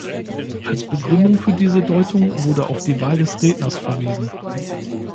Als Begründung für diese Deutung wurde auf die Wahl des Redners verwiesen.